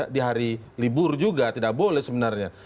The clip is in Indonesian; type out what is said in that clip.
di hari libur juga tidak boleh sebenarnya